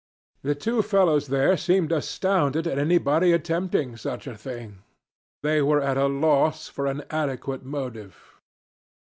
The two fellows there seemed astounded at anybody attempting such a thing. They were at a loss for an adequate motive.